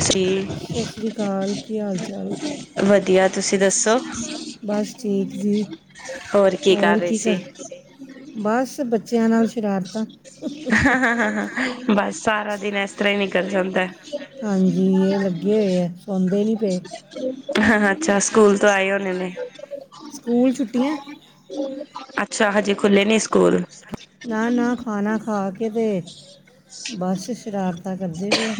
ਸੀ ਸਤਿ ਸ੍ਰੀ ਅਕਾਲ, ਕੀ ਹਾਲ- ਚਾਲ? ਵਧੀਆ ਤੁਸੀਂ ਦੱਸੋ? ਬਸ ਠੀਕ ਜੀ, ਹੋਰ ਕੀ ਕਰ ਬਸ ਬੱਚਿਆਂ ਨਾਲ। ਸ਼ਰਾਰਤਾਂ। ਬਸ ਸਾਰਾ ਦਿਨ ਇਸ ਤਰਾਂ ਹੀ ਨਿਕਲ ਜਾਂਦਾ। ਹਾਂਜੀ ਇਹ ਲੱਗੇ ਹੋਏ ਹੈ, ਸੌਂਦੇ ਨੀ ਪਏ। ਹ ਹਾਂ ਚਸ, ਸਕੂਲ ਤੋਂ ਆਏ, ਹੋਣੇ ਨੇ ਸਕੂਲ ਛੁਟੀਆਂ। ਅੱਛਾ ਹਜੇ ਖੁੱਲੇ ਨੇ ਸਕੂਲ। ਨਾ- ਨਾ ਖਾਣਾ ਖਾ ਕੇ ਤੇ ਬਸ ਸ਼ਰਾਰਤਾਂ ਕਰਦੇ ਪਏ ਐ।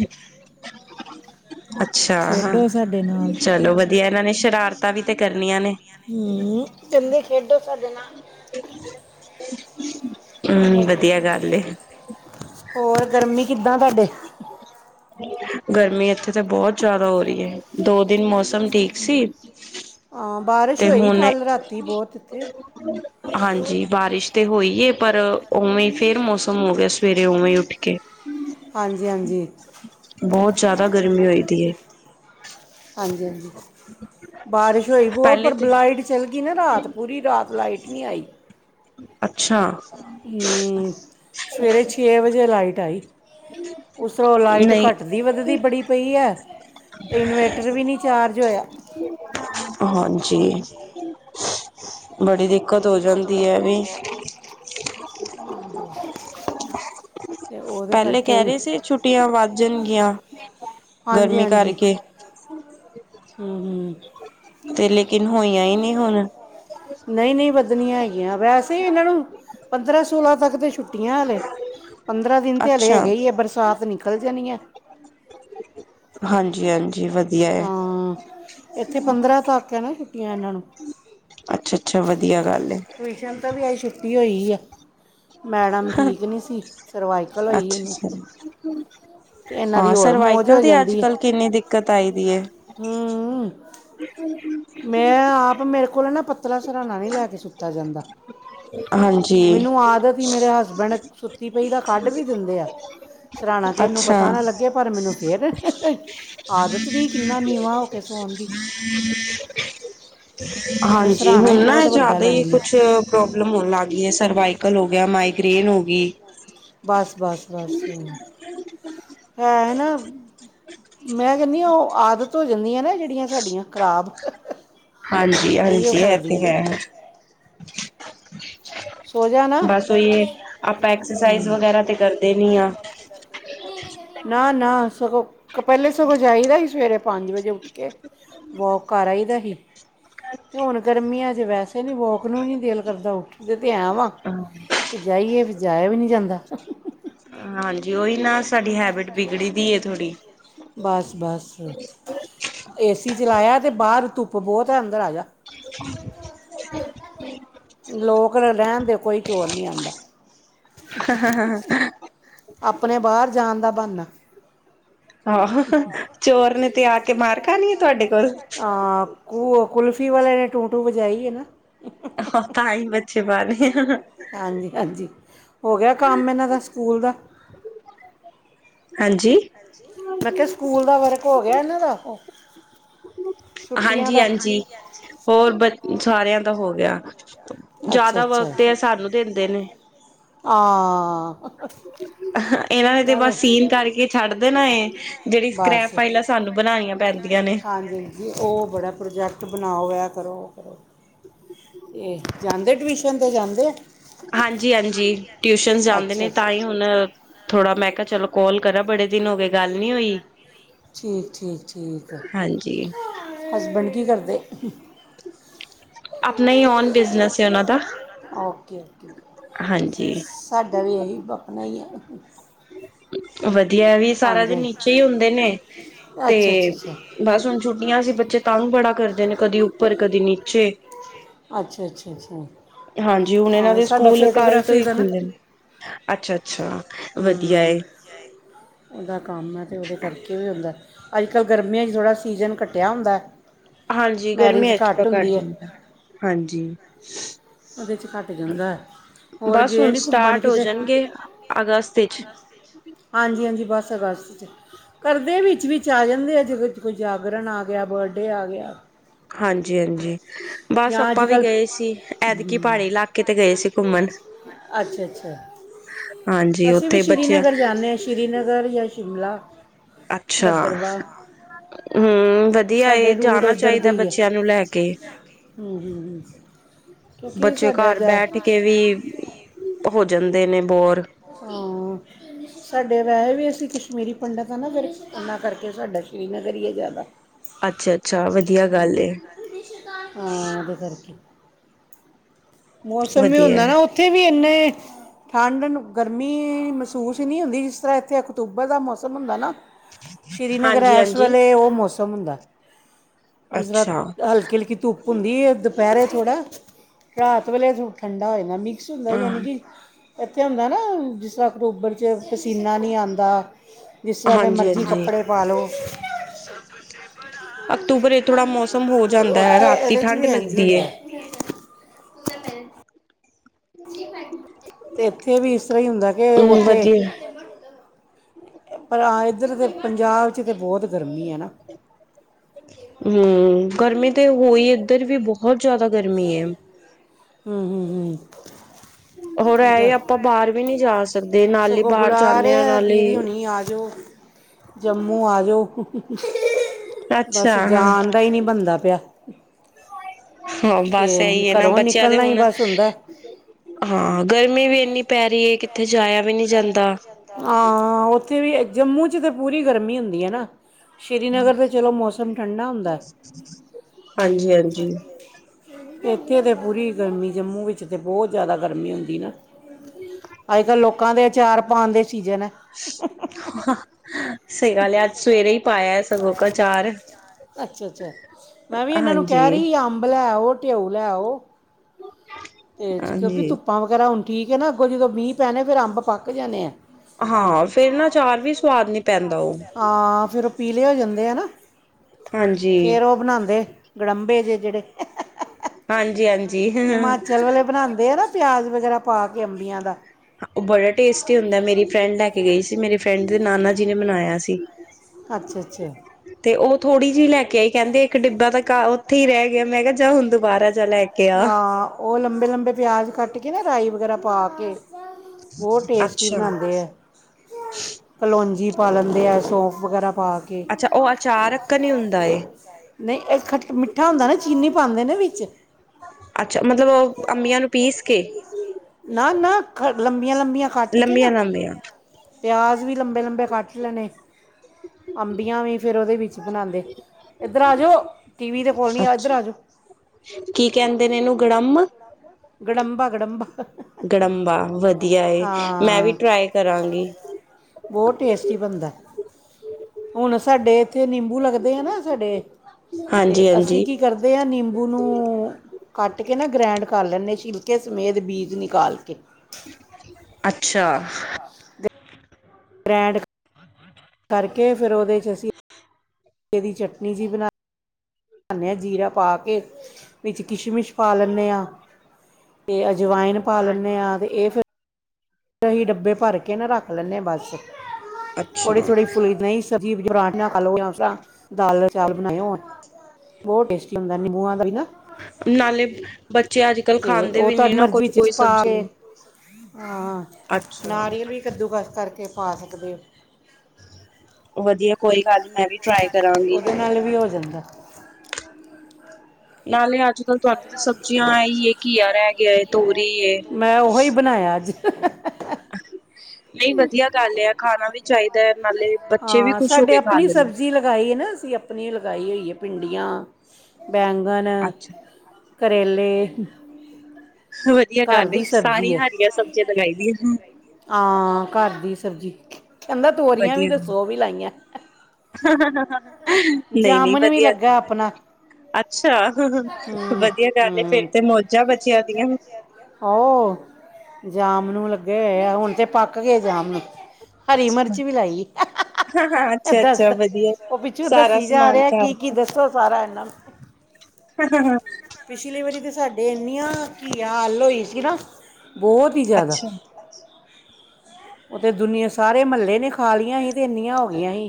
ਅੱਛਾ ਹਾਂ ਖੇਡੋ ਸਾਡੇ ਨਾਲ ਚਲੋ ਵਧੀਆ ਇਹਨਾਂ ਨੇ ਸ਼ਰਾਰਤਾਂ ਵੀ ਤੇ ਕਰਨੀਆਂ ਨੇ ਹਮ ਕਹਿੰਦੇ ਖੇਡੋ ਸਾਡੇ ਨਾਲ ਹਮ ਵਧੀਆ ਗੱਲ ਹੋਰ ਗਰਮੀ ਕਿੱਦਾਂ ਤੁਹਾਡੇ ਠ [unintelligible] ਗਰਮੀ ਇੱਥੇ ਤਾਂ ਬੋਤ ਜਿਆਦਾ ਹੋ ਰਹੀ ਹੈ ਦੋ ਦਿਨ ਮੌਸਮ ਠੀਕ ਸੀ ਹਾਂ ਬਾਰਿਸ਼ ਤੇ ਹੋਈ ਹੁਣ ਕੱਲ੍ਹ ਰਾਤੀ ਬੋਤ ਇੱਥੇ ਹਾਂਜੀ ਬਾਰਿਸ਼ ਤੇ ਹੋਈ ਪਰ ਉਵੇਂ ਫੇਰ ਮੌਸਮ ਹੋ ਗਿਆ ਸਵੇਰੇ ਉਵੇਂ ਹੀ ਉੱਠ ਕੇ ਹ [unintelligible] ਬੋਤ ਜ਼ਿਆਦਾ ਗਰਮੀ ਹੋ ਈ ਦੀਏ ਹਾਂਜੀ ਹਾਂਜੀ ਬਾਰਿਸ਼ ਹੋਈ ਬੋਤ ਪਹਿਲੇ ਪਰ ਤੇ ਬਲਾਈਟ ਚਲਗੀ ਨਾ ਰਾਤ ਪੂਰੀ ਰਾਤ ਲਾਈਟ ਨਹੀਂ ਆਈ ਅੱਛਾ ਹਮ ਸਵੇਰੇ ਛੇ ਵਜੇ ਲਾਈਟ ਆਈ ਉਸਰੋਂ ਲਾਈਟ ਨਹੀਂ ਘੱਟਦੀ ਵੱਧਦੀ ਬੜੀ ਪਈ ਹੈ ਇਨਵੇਟਰ ਵੀ ਨਹੀਂ ਚਾਰਜ ਹੋਇਆ ਹਾਂਜੀ ਬੜੀ ਦਿੱਕਤ ਹੋ ਜਾਂਦੀ ਹੈ ਐ ਵੀ ਨ ਹੋ ਪੈਲੇ ਕਹਿ ਰਹੇ ਸੀ ਛੁੱਟੀਆਂ ਵੱਧ ਜਾਣਗੀਆਂ ਹਾਂਜੀ ਗਰਮੀ ਹਾਂਜੀ ਕਰਕੇ ਹ ਹੂੰ ਤੇ ਲੇਕਿਨ ਹੋਈਆਂ ਹੀ ਨਹੀਂ ਹੁਣ ਨਹੀਂ ਨਹੀਂ ਵੱਧਣੀਆਂ ਹੈਗੀਆਂ ਵੈਸੇ ਇਹਨਾਂ ਨੂੰ ਪੰਦਰਾਂ ਸੋਲਾਂ ਤੱਕ ਤਾਂ ਛੁੱਟੀਆਂ ਹਾਲੇ ਪੰਦਰਾਂ ਦਿਨ ਤਾਂ ਹਾਲੇ ਅੱਛਾ ਹੈਗੇ ਹੀ ਹੈ ਬਰਸਾਤ ਨਿਕਲ ਜਾਣੀ ਹੈ ਹਾਂਜੀ ਹਾਂਜੀ ਵਧ ਹਾਂ ਇੱਥੇ ਪੰਦਰਾਂ ਤੱਕ ਆ ਨਾ ਛੁੱਟੀਆਂ ਇਹਨਾਂ ਨੂੰ ਅੱਛਾ ਅੱਛਾ ਵਧੀਆ ਗੱਲ ਟਿਊਸ਼ਨ ਤੋਂ ਵੀ ਅਜ ਛੁੱਟੀ ਹੋਈ ਆ ਮੈਡਮ ਅੱਛਾ ਠੀਕ ਨਹੀਂ ਸੀ ਸਰਵਾਈਕਲ ਹੋਈ ਉਹਨੂੰ ਅੱਛਾ ਤੇ ਇਹਨਾਂ ਦੀ ਹੋਰ ਮੌਜ ਹੋ ਜਾਂਦੀ ਹੈ ਕਤਾਈ ਦੀ ਹੈ ਹਮ ਮੈਂ ਆਪ ਮੇਰੇ ਕੋਲੋਂ ਨਾ ਪਤਲਾ ਸਰਾਣਾ ਨਹੀ ਲੈ ਕੇ ਸੁੱਤਾ ਜਾਂਦਾ ਹਾਂਜੀ ਮੈਨੂੰ ਆਦਤ ਮੇਰੇ ਹਸਬੈਂਡ ਸੁੱਤੀ ਪਈ ਦਾ ਕੱਢ ਵੀ ਦਿੰਦੇ ਆ ਸਰਾਣਾ ਕੇ ਇਹਨੂੰ ਅੱਛਾ ਪਤਾ ਨਾ ਲੱਗ ਪਰ ਮੈਨੂੰ ਫੇਰ ਆਦਤ ਨਹੀਂ ਕਿੰਨਾ ਨੀਵਾਂ ਹੋ ਕੇ ਸੌਣ ਦੀ ਹਮ ਮੈਂ ਹਾਂਜੀ ਸਰਾਣਾ ਹੀ ਹੁਣ ਨਾ ਬਹੁਤ ਇਹ ਵੱਡਾ ਜ਼ਿਆਦਾ ਹੀ ਲੈਂਦੀ ਆ ਕੁਛ ਪ੍ਰੋਬਲਮ ਹੋਣ ਲੱਗ ਗਈ ਹੈ ਸਰਵਾਈਕ ਕਲ ਹੋ ਗਿਆ ਮਾਈਗ੍ਰੇਨ ਹੋ ਗਈ ਬਸ ਬਸ ਬਸ ਹੈ ਹੈ ਨਾ ਮੈਂ ਕਹਿੰਦੀ ਹਾਂ ਉਹ ਆਦਤ ਹੋ ਜਾਂਦੀਆਂ ਨਾ ਜਿਹੜੀਆਂ ਸਾਡੀਆਂ ਖਰਾਬ ਹਾਂਜੀ ਇਹੀਓ ਹਾਂਜੀ ਇਹ ਤੇ ਕਰਦੀਆਂ ਹੈ ਸੋ ਜਾ ਨਾ ਬਸ ਉਹੀ ਏ ਆਪਾਂ ਐਕਸਰਸਾਈਜ਼ ਵਗੈਰਾ ਤੇ ਕਰਦੇ ਨੀ ਆ [unintelligible] ਨਾ ਨਾ ਸਗੋਂ ਪੈਲੇ ਸਗੋਂ ਜਾਈਦਾ ਸੀ ਸਵੇਰੇ ਪੰਜ ਵਜੇ ਉੱਠ ਕੇ ਵੋਕ ਕਰ ਆਈ ਦਾ ਸੀ, ਤੇ ਹੁਣ ਗਰਮੀਆਂ ਚ ਵੈਸੇ ਨਈ ਵੋਕ ਨੂੰ ਨਈ ਦਿਲ ਕਰਦਾ ਉੱਠ ਫੇਰ ਤੇ ਐ ਵਾਂ, ਕਿ ਜਾਈਏ ਤੇ ਜਾਇਆ ਵੀ ਨਈ ਜਾਂਦਾ। ਹਾਂਜੀ ਓ, ਈ, ਨਾ, ਸਾਡੀ ਹੈਬਿਟ ਬਿਗੜੀ ਪਈ ਆ ਥੋੜ੍ਹੀ। ਬਸ -ਬਸ ਏ, ਸੀ ਚਲਾਏਆ ਤੇ ਬਾਰ ਧੁੱਪ ਬੋਤ ਆ, ਅੰਦਰ ਆ ਜਾ। ਲੋਕ ਨਾ ਲਾ, ਰੈਣ ਦੇ ਕੋਈ ਚੋਰ ਨੀ ਆਂਦਾ। ਹਾਂ- ਹਾਂ, ਹਾਂ -ਹਾਂ। ਆਪਣੇ ਬਾਰ ਜਾਣ ਦਾ ਬਾਨਾ। ਆਹੋ, ਹ ਹ, ਚੋਰ ਨੇ ਤੇ ਆ ਕੇ ਮਾਰ ਖਾਣੀ ਆ ਤੁਆਡੇ ਕੋਲ। ਕੁੂ ਕੁਲਫੀ ਵਾਲੇ ਨੇ ਟੂੰ- ਟੂੰ, ਬਜਾਈ ਹੈ ਨਾ। ਆਹੋ ਤਾਂ ਈ, ਬੱਚੇ ਬਾਰ ਆ ਰਏ ਆ, ਹ, ਹ, ਹਾਂਜੀ -ਹਾਂਜੀ ਹੋ ਗੇਆ ਕੰਮ, ਏਨਾਂ ਦਾ ਸਕੂਲ ਦਾ। ਹਾਂਜੀ। ਮੈ ਕੇਆ ਸਕੂਲ ਦਾ ਵਰਕ ਹੋ ਗੇਆ, ਏਨਾਂ ਦਾ? ਛੁੱਟੀਆਂ ਹਾਂਜੀ ਦਾ -ਹਾਂਜੀ ਹੋਰ ਬ ਸਾਰਿਆਂ ਦਾ ਹੋ ਗਿਆ। ਅੱਛਾ ਜ਼ਾਦਾ ਵਰਕ ਤੇ ਏ, ਸਾਨੂੰ ਦਿੰਦੇ ਨੇ। ਆ--ਹਹ ਹ। ਹਹ, ਏਨਾਂ ਨੇ ਤੇ ਬਸ ਸੀਨ ਕਰਕੇ ਛੱਡ ਦੇਣਾ ਏ, ਜੇਹੜੀਆ ਸਕ੍ਰੈਪ ਬਸ ਫਾਈਲਾਂ, ਸਾਨੂੰ ਬਣਾਣੀਆਂ ਪੈਂਦੀਆਂ ਨੇ। ਓ ਬੜਾ ਪ੍ਰੋਜੈਕਟ ਬਣਾਓ, ਏ ਕਰੋ। ਤੇ ਜਾਂਦੇ ਟਿਊਸ਼ਨ ਤੇ ਜਾਂਦੇ ਆ। ਹਾਂਜੀ -ਹਾਂਜੀ ਟਿਊਸ਼ਨ ਜਾਂਦੇ ਅੱਛਾ ਨੇ ਤਾਂ ਈ ਹੁਣ ਥੋੜਾ ਮੈਂ ਕਿਹਾ ਚਲੋ ਕੋਲ ਕਰਾਂ, ਬੜੇ ਦਿਨ ਹੋ ਗਏ ਗੱਲ ਨੀ ਹੋਈ। ਠੀਕ -ਠੀਕ- ਠੀਕ, ਆ ਹਾਂਜੀ ਹਸਬੈਂਡ ਕੀ ਕਰਦੇ? ਆਪਣਾ ਈ ਓਨ ਬਿਜਨਸ ਏ ਓਨਾ ਦਾ। ਓਕੇ ਹਾਂਜੀ ਸਾਡਾ ਵੀ ਏਹੀ ਆਪਣਾ ਈ ਆ। ਵਧੀਆ, ਵੀ ਸਾਰਾ ਦਿਨ ਹਾਂਜੀ ਨੀਚੇ ਈ ਹੁੰਦੇ ਨੇ ਤੇ ਅੱਛਾ ਅੱਛਾ ਅੱਛਾ ਬਸ ਹੁਣ ਛੁੱਟੀਆਂ ਸੀ, ਬੱਚੇ ਤੰਗ ਬੜਾ ਕਰਦੇ ਨੇ, ਕਦੀ ਉੱਪਰ ਕਦੀ ਨੀਚੇ। ਅੱਛਾ -ਅੱਛਾ -ਅੱਛਾ। ਹਾਂਜੀ, ਹੁਣ ਏਨਾਂ ਹਾਂ ਦੇ ਸਾਡਾ ਸਕੂਲ ਕੱਲ੍ਹ ਤੋਂ ਫੋਟੋਗ੍ਰਾਫੀ ਹੀ ਦਾ ਨਾ ਖੁੱਲ੍ਹੇ ਨੇ। ਅੱਛਾ-ਅੱਛਾ, ਵਧੀਆ ਏ ਓਦਾ ਕੰਮ ਏ, ਤੇ ਓਦੇ ਕਰਕੇ। ਹੁੰਦਾ, ਅੱਜ -ਕੱਲ ਗਰਮੀਆਂ ਚ, ਥੋੜਾ ਸੀਜ਼ਨ ਘੱਟਿਆ ਹੁੰਦਾ। ਹਾਂਜੀ ਮੈਰਿਜ ਗਰਮੀਆਂ ਚ ਥੋੜ੍ਹਾ, ਘੱਟ ਹੁੰਦੀ ਹੈ ਜਾਂਦਾ ਹਾਂਜੀ। ਓਦੇ ਚ ਘੱਟ ਜਾਂਦਾ। ਹੋਰ ਬਸ ਗਏ ਹੁਣ ਨੀ ਘੁੰਮਨ ਸਟਾਰਟ ਹੋ ਕਿਤੇ। ਜਾਣਗੇ ਅਗਸਤ ਵਿੱਚ ਹਾਂਜੀ- ਹਾਂਜੀ, ਬਸ -ਬਸ। ਕਰਦੇ ਵਿੱਚ- ਵਿੱਚ ਆ ਜਾਂਦੇ ਆ, ਜਿਵੇ ਕੋਈ ਜਾਗਰਣ ਆ ਗੇਆ ਬਰਡੇ ਆ ਗੇਆ। ਹਾਂਜੀ ਹਾਂਜੀ। ਬਸ ਜਾਂ ਅੱਜ ਆਪਾਂ ਵੀ ਕੱਲ੍ਹ ਗਏ ਸੀ, ਐਤਕੀ ਹਮ, ਪਾੜੀ ਇਲਾਕੇ ਤੇ ਗਏ ਸੀ ਘੁੰਮਣ। ਅੱਛਾ -ਅੱਛਾ, ਹਾਂਜੀ ਅਸੀਂ ਵੀ ਉੱਥੇ ਬੱਚਿਆਂ ਸ੍ਰੀਨਗਰ ਜਾਂਣਾ ਏ। ਸ਼੍ਰੀਨਗਰ ਜਾਂ ਸ਼ਿਮਲਾ, ਅੱਛਾ ਭਦਰਵਾਹ। ਹਮ ਵੱਧੀਆ ਸਾਡੇ ਏ ਰੂਟ ਜਾਣਾ ਉਧਰ ਦੇ ਚਾਈਦਾ, ਹੀ ਹੈ ਬੱਚੇਆਂ ਨੂੰ ਲੈ ਕੇ। ਹਮ, ਹਮ, ਹਮ। ਕਿਉਂਕਿ ਬੱਚੇ ਸਾਡਾ ਘਾਰ ਜਾ ਬੈਠ ਕੇ ਵੀ ਹੋ ਜਾਂਦੇ, ਨੇ ਬੋਰ। ਹਾਂ ਸਾਡੇ ਵੈਸੇ ਵੀ ਅਸੀਂ ਕਸ਼ਮੀਰੀ, ਪੰਡਿਤ ਹਾਂ ਨਾ ਫਿਰ ਉਹਨਾਂ ਕਰਕੇ ਸਾਡਾ ਇਹ ਨਾ ਕਰੀਏ ਜ਼ਿਆਦਾ। ਅੱਛਾ ਅੱਛਾ ਵਧੀਆ ਗੱਲ ਹਾਂ ਉਹਦੇ ਕਰਕੇ। ਮੌਸਮ ਵੀ ਵਧੀਆ ਹੁੰਦਾ, ਨਾ ਉੱਥੇ ਵੀ ਇਨੇ। ਠੰਡ ਨੂੰ ਗਰਮੀ ਮਹਿਸੂਸ ਹੀ ਨਹੀਂ ਹੁੰਦੀ, ਜਿਸ ਤਰ੍ਹਾਂ ਇੱਥੇ ਅਕਤੂਬਰ ਦਾ ਮੌਸਮ ਹੁੰਦਾ ਨਾ। ਸ਼੍ਰੀਨਗਰ, ਹਾਂਜੀ ਇਸ ਹਾਂਜੀ ਵੇਲੇ ਉਹ ਮੌਸਮ ਹੁੰਦਾ। ਜਿਸ ਅੱਛਾ ਤਰ੍ਹਾਂ ਹਲਕੀ ਹਲਕੀ ਧੁੱਪ ਹੁੰਦੀ ਏ ਦੁਪਹਿਰੇ ਥੋੜ੍ਹਾ ਰਾਤ ਵੇਲੇ ਠੰਡਾ ਹੋ, ਜਾਂਦਾ ਮਿਕਸ ਹੁੰਦਾ ਯਾਨੀ ਕਿ। ਅ ਇੱਥੇ ਹੁੰਦਾ ਨਾ ਜਿਸ ਤਰ੍ਹਾਂ ਅਕਤੂਬਰ, 'ਚ ਪਸੀਨਾ ਨਹੀਂ ਆਉਂਦਾ। ਜਿਸ ਤਰ੍ਹਾਂ ਦੇ ਹਾਂਜੀ ਮਰਜ਼ੀ ਹਾਂਜੀ ਕੱਪੜੇ ਪਾ ਲਓ। ਅਕਤੂਬਰ ਇਹ ਥੋੜਾ ਮੌਸਮ ਹੋ ਤੇ ਜਾਂਦਾ ਹੈ ਉੱਥੇ ਰਾਤੀ ਇਹਦੇ ਚ ਠੰਢ ਵੀ ਇੰਜ ਈ ਲੱਗਦੀ ਏ ਹੁੰਦਾ। ਤੇ ਇੱਥੇ ਵੀ ਇਸ ਤਰ੍ਹਾਂ ਹੀ ਹੁੰਦਾ ਕਿ ਹਮ ਉੱਥੇ ਵਧੀਆ ਪਰ ਹਾਂ ਇੱਧਰ ਤੇ ਪੰਜਾਬ 'ਚ ਤੇ ਬਹੁਤ ਗਰਮੀ ਹੈ ਨਾ ਹੂੰ ਗਰਮੀ ਤੇ ਹੋਈ ਇੱਧਰ ਵੀ ਬਹੁਤ ਜ਼ਿਆਦਾ ਗਰਮੀ ਹੈ ਹੂੰ ਹੂੰ ਹੂੰ ਹੋਰ ਇਹ ਆਪਾਂ ਬਾਹਰ ਵੀ ਨਹੀਂ ਜਾ ਸਕਦੇ ਨਾਲ ਹੀ ਸਗੋਂ ਬਾਹਰ ਬੁਲਾ ਜਾਂਦੇ ਰੇ ਹਾਂ ਆ ਨਾਲ ਦੀਦੀ ਹੀ ਹੋਣੀ ਆਜੋ ਜੰਮੂ ਆਜੋ ਅੱਛਾ ਬਸ ਹਾਂ। ਜਾਣ ਦਾ ਹੀ ਨਹੀ ਬਣਦਾ ਪਿਆ ਹਾਂ ਬਸ ਕਿ ਇਹੀ ਹੈ ਨਾ ਘਰੋਂ ਬੱਚਿਆਂ ਦੇ ਨਿਕਲਣਾ ਹੀ ਹੁਣ ਬਸ ਹੁੰਦਾ ਹਾਂ ਹਾਂ ਗਰਮੀ ਵੀ ਇੰਨੀ ਪੈ ਰਹੀ ਏ ਕਿ ਉੱਥੇ ਜਾਇਆ ਵੀ ਨਹੀਂ ਜਾਇਆ ਵੀ ਜਾਂਦਾ। ਨਹੀਂ ਜਾਂਦਾ ਹਾਂ ਉੱਥੇ ਵੀ ਜੰਮੂ ਚ ਤਾਂ ਪੂਰੀ ਗਰਮੀ ਹੁੰਦੀ ਹੈ ਨਾ ਸ਼੍ਰੀਨਗਰ ਤੇ ਚਲੋ ਮੌਸਮ ਠੰਡਾ ਹੁੰਦਾ ਹਾਂਜੀ ਹਾਂਜੀ ਏ ਇੱਥੇ ਤਾਂ ਪੂਰੀ ਗਰਮੀ ਜੰਮੂ ਵਿੱਚ ਤਾਂ ਬਹੁਤ ਜ਼ਿਆਦਾ ਗਰਮੀ ਹੁੰਦੀ ਨਾ ਅੱਜ ਕੱਲ੍ਹ ਲੋਕਾਂ ਦੇ ਅਚਾਰ ਪਾਉਣ ਦੇ ਸੀਜ਼ਨ ਏ [unintelligible] ਹੈ ਅੱਜ ਸਹੀ ਗੱਲ ਸਵੇਰੇ ਹ ਅੱਜ ਸਵੇਰੇ ਹੀ ਸਗੋਂ ਪਾਇਆ ਕ ਅਚਾਰ ਅੱਛਾ ਅੱਛਾ ਮੈਂ ਵੀ ਇਹਨਾਂ ਨੂੰ ਕਹਿ ਹਾਂਜੀ ਰਹੀ ਅੰਬ ਲੈ ਆਓ ਢੇਅਊ ਲੈ ਆਓ ਅਤੇ ਕਿਉਂਕਿ ਹਾਂਜੀ ਧੁੱਪਾ ਵਗੈਰਾ ਹੁਣ ਠੀਕ ਹੈ ਨਾ ਅੱਗੋਂ ਜਦੋਂ ਮੀਂਹ ਪੈਣੇ ਫਿਰ ਅੰਬ ਪੱਕ ਜਾਣੇ ਆ ਹਾਂ ਫਿਰ ਨਾ ਅਚਾਰ ਵੀ ਸਵਾਦ ਨੀ ਪੈਂਦਾ ਉਹ ਹਾਂ ਫਿਰ ਉਹ ਪੀਲੇ ਹੋ ਜਾਂਦੇ ਹੈ ਨਾ ਹਾਂਜੀ ਫਿਰ ਉਹ ਬਣਾਉਦੇ ਗੜੰਬੇ ਜੇ ਜਿਹੜੇ ਹਾਂਜੀ ਹਾਂਜੀ ਹਿਮਾਚਲ ਵਾਲੇ ਬਣਾਉਂਦੇ ਆ ਨਾ ਪਿਆਜ਼ ਵਗੈਰਾ ਪਾ ਕੇ ਅੰਬੀਆਂ ਦਾ ਉਹ ਬੜਾ ਟੇਸਟੀ ਹੁੰਦਾ ਮੇਰੀ ਫਰੈਂਡ ਲੈ ਕੇ ਗਈ ਸੀ ਮੇਰੀ ਫਰੈਂਡ ਦੇ ਨਾਨਾ ਜੀ ਨੇ ਬਣਾਇਆ ਸੀ ਅੱਛਾ ਅੱਛਾ ਤੇ ਉਹ ਥੋੜ੍ਹੀ ਜਿਹੀ ਲੈ ਕੇ ਆਈ ਕਹਿੰਦੇ ਇੱਕ ਡਿੱਬਾ ਤਾਂ ਉੱਥੇ ਹੀ ਰਹਿ ਗਿਆ ਮੈਂ ਕਿਹਾ ਜਾ ਹੁਣ ਦੁਬਾਰਾ ਜਾ ਲੈ ਕੇ ਆ ਹਾਂ ਉਹ ਲੰਬੇ ਲੰਬੇ ਪਿਆਜ਼ ਕੱਟ ਕੇ ਨਾ ਰਾਈ ਵਗੈਰਾ ਪਾ ਕੇ ਬਹੁਤ ਟੇਸਟੀ ਅੱਛਾ, ਬਣਾਉਦੇ ਐ ਕਲੋਂਜੀ ਪਾ ਲੈਂਦੇ ਆ ਸੌਫ ਵਗੈਰਾ ਪਾ ਕੇ ਅੱਛਾ ਉਹ ਅਚਾਰ ਅੱਕਣ ਹੀ ਹੁੰਦਾ ਏ। ਨਹੀਂ [unintelligible] ਮਿੱਠਾ ਹੁੰਦਾ ਨਾ ਚੀਨੀ ਪਾਉਦੇ ਨੇ ਵਿੱਚ ਅੱਛਾ ਮਤਲਬ ਉਹ ਅੰਬੀਆਂ ਨੂੰ ਪੀਸ ਕੇ ਨਾ ਨਾ ਲੰਬੀਆਂ ਲੰਬੀਆਂ ਕੱਟ ਕੇ ਲੰਬੀਆਂ ਨਾ ਲੰਬੀਆਂ। ਪਿਆਜ਼ ਵੀ ਲੰਬੇ ਲੰਬੇ ਕੱਟ ਲੈਣੇ ਅੰਬੀਆਂ ਵੀ ਫਿਰ ਉਹਦੇ ਵਿੱਚ ਬਣਾਉਦੇ ਇੱਧਰ ਆ ਜਾਓ ਟੀ ਵੀ ਦੇ ਕੋਲ ਨਹੀਂ ਇੱਧਰ ਆ ਅੱਛਾ। ਜਾਓ ਕੀ ਕੈਂਦੇ ਨੇ ਏਹਨੂੰ ਗੜਮ ਗੜੰਬਾ-ਗੜੰਬਾ ਗੜੰਬਾ ਵਧੀਆ ਏ, ਮੈਂ ਵੀ ਟਰਾਏ ਕਰਾਂਗੀ। ਬੋਹਤ ਟੇਸਟੀ ਬਣਦਾ ਏ, ਹੁਣ ਸਾਡੇ ਏਥੇ ਨਿੰਬੂ ਲੱਗਦੇ ਆ ਨਾ ਸਾਡੇ ਤੇ ਹਾਂਜੀ ਅਸੀਂ ਹਾਂਜੀ ਕੀ ਕਰਦੇ ਆਂ, ਨਿੰਬੂ ਨੂੰ ਕਾਟ ਕੇ ਨਾ ਗ੍ਰੈਡ ਕਰ ਲੈਣੇ ਛਿਲਕੇ ਸਮੇਤ ਬੀਜ ਨਿਕਾਲ ਕੇ। ਅੱਛਾ। [unintelligible] ਬਰੈਡ [inaudible] ਕਰਕੇ ਫੇਰ ਉਹਦੇ ਚ ਅਸੀਂ ਏਹਦੀ ਚਟਨੀ ਜੀ ਬਣਾ ਬਨਾਨੇ ਆਂ ਜੀਰਾ ਪਾ ਕੇ ਵਿੱਚ ਕਿਸ਼ਮਿਸ਼ ਪਾ ਲੈਨੇ ਆਂ। ਤੇ ਅਜਵਾਇਣ ਪਾ ਲੈਨੇ ਹਾਂਜੀ। ਆ ਤੇ ਏਹ ਫਿਰ ਏਹ ਹੀ ਡੱਬੇ ਭਰ ਕੇ ਨਾ ਰਾਖ ਲੈਨੇ ਬਸ, ਅੱਛਾ ਥੋੜੀ-ਥੋੜੀ ਫੁੱਲਿਦ ਨਹੀਂ ਸਭੀ [unintelligible] ਬਿਨਾਂ ਖਾ ਲਓ ਯਾ ਉਸ ਰਾਂ ਦਾਲ ਨਾਲ ਚਾਵਲ ਬਨਾਏ ਹੋਣ, ਬੋਹਤ ਟੇਸਟੀ ਹੁੰਦਾ ਨਿੰਬੂਆਂ ਦਾ ਵੀ ਨਾ। ਨਾਲੇ ਬੱਚੇ ਆਜ ਕੱਲ੍ਹ ਤੇ ਖਾਂਦੇ ਉਹ ਵੀ ਨਹੀਂ ਤੁਹਾਡੀ ਨਾ ਕੁਝ ਮਰਜ਼ੀ ਕੋਈ ਵਿੱਚ ਪਾ ਸਬਜ਼ੀ ਕੇ ਨਹੀਂ। ਹਾਂ ਨਾਰੀਅਲ ਵੀ ਕੱਦੂ ਕਸ ਕਰਕੇ ਪਾ ਸਕਦੇ ਹੋ। ਵਧੀਆ ਕੋਈ ਗੱਲ ਨੀ, ਮੈਂ ਵੀ ਟਰਾਏ ਕਰਾਂਗੀ। ਉਹਦੇ ਨਾਲ ਵੀ ਹੋ ਜਾਂਦਾ ਏ। ਨਾਲੇ ਆ ਰਹਿ ਗਿਆ ਏ ਤੋਰੀ ਏ ਮੈਂ ਓਹੀ ਬਣਾਏਆ ਆਜ ਨਈ ਵਧੀਆ ਗੱਲ ਏਯਾ ਖਾਣਾ ਵੀ ਚਾਹੀਦਾ ਏ, ਨਾਲੇ ਬੱਚੇ ਵੀ ਖੁਸ਼ ਹੋ ਕੇ ਖਾ ਲੈਣ। ਤੀ ਲਗਾਈ ਏ ਨਾ ਅਸੀਂ, ਅਪਣੀ ਯੋ ਲਗਾਈ ਹੋਈ ਏ ਭਿਡੀਆਂ, ਬੈਗਨ। ਅੱਛਾ ਕਰੇਲੇ। ਵਧੀਆ ਘਰ ਗੱਲ ਏ, ਦੀ ਸਾਰੀ ਸਬਜ਼ੀ ਹਰੀਆਂ ਸਬਜ਼ੀਆਂ ਤੇ ਲਾਈ ਦੀ ਏ ਹੂੰ। ਆਂ ਕਾਰ ਦੀ ਸਬਜ਼ੀ, ਕੇਂਦਾ ਤੋਰੀਆਂ ਵੀ ਦੱਸੋ ਉਹ ਵੀ ਲਾਈਐ। ਨਈ-ਨਈ ਵੀ ਵਧੀਆ ਲੱਗਾ ਗੱਲ ਏ। ਆਪਣਾ ਅੱਛਾ, ਹੂੰ ਵਧੀਆ ਗੱਲ ਏ ਫੇਰ ਤੇ ਮੌਜਾਂ ਬਚੇਆਂ ਦੀਆਂ। ਓਹ ਜਾਮਨੂੰ ਲੱਗੇ ਹੋਏ ਐ ਹੁਣ ਜੇ ਪਾਕ ਗਏ ਜਾਮਨੂੰ। ਹਰੀ ਅੱਛਾ ਮਰਚ ਵੀ ਲਾਈ ਏ। ਹਾਂ ਹਾਂ ਏਹ ਅੱਛਾ ਅੱਛਾ ਦੱਸਦਾ, ਵਧੀਆ। ਉਹ ਪਿੱਛੋਂ ਸਾਰਾ ਦਸੀ ਜਾ ਸਮਾਨ ਰੇਆ ਘਰ ਕੀ-ਕੀ ਦੱਸੋ ਸਾਰਾ ਏਹਨਾਂ ਨੂੰ। [inaudible] ਪਿਛਲੀ ਵਾਰੀ ਤੇ ਸਾਡੇ ਏਨੀਆਂ ਘੀਆ ਅੱਲ ਹੋਈ ਸੀ ਨਾ, ਬੋਹਤ ਈ ਜਾਦਾ। ਅੱਛਾ। ਓਹ ਤੇ ਦੁਨੀਆਂ ਸਾਰੇ ਮੱਲੇ ਨੇ ਖਾ ਲਈਆਂ ਹੀ ਤੇ ਏਨੀਆਂ ਹੋ ਗਈਆਂ ਹੀ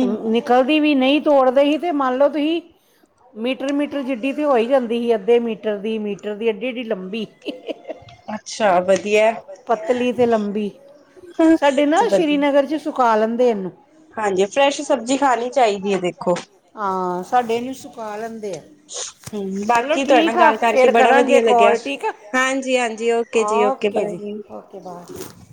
ਤ ਨੀ ਕਲਦੀ ਵੀ ਨਈ, ਤੋੜਦੇ ਹੀ ਤੇ ਮੰਨ ਲਓ ਤੁਹੀਂ ਮੀਟਰ-ਮੀਟਰ ਜਿੱਡੀ ਤੇ ਹੋ ਈ ਜਾਂਦੀ ਹੀ ਅੱਧੇ ਮੀਟਰ ਦੀ, ਮੀਟਰ ਦੀ ਐਡੀ-ਐਡੀ ਲੰਬੀ। ਅੱਛਾ, ਵਧੀਆ ਏ। ਪਤਲੀ ਤੇ ਲੰਬੀ, ਸਾਡੇ ਨਾ ਵਧੀਆ ਸ਼੍ਰੀਨਗਰ ਚ ਸੁਕਾ ਲੈਂਦੇ ਏਹਨੂੰ। ਹਾਂਜੀ, ਫਰੈਸ਼ ਸਬਜ਼ੀ ਖਾਣੀ ਚਾਹੀਦੀ ਏ ਦੇਖੋ। ਆਂ ਸਾਡੇ ਏਹਨੂੰ ਸੁਕਾ ਲੈਂਦੇ ਐ। ਹਮ ਬਾਕੀ ਤੁਆਡੇ ਨਾਲ ਗਾਲ ਕਰਕੇ ਬੜਾ ਵਧੀਆ ਕਰਾਂਗੇ ਲੱਗੇਆ। ਕਾਲ ਠੀਕ ਆ ਹਾਂਜੀ-ਹਾਂਜੀ, ਓਕੇ ਜੀ ਓਕੇ ਬਾਏ ਜੀ। Okay bye.